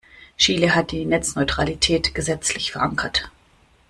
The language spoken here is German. Chile hat die Netzneutralität gesetzlich verankert.